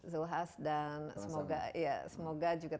zulhas dan semoga